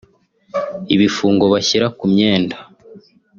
ibifungo bashyira ku myenda